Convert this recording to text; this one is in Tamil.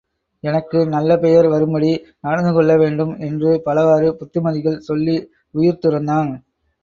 எனக்கு நல்ல பெயர் வரும்படி நடந்துகொள்ள வேண்டும் என்று பலவாறு புத்திமதிகள் சொல்லி உயிர் துறந்தான்.